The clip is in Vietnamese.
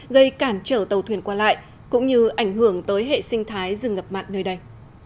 gây cản trở tàu thuyền qua lại cũng như ảnh hưởng tới hệ sinh thái dừng ngập mặn nơi đây